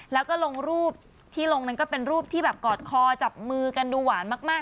แล้วก็ลงรูปที่ลงนั้นก็เป็นรูปที่แบบกอดคอจับมือกันดูหวานมาก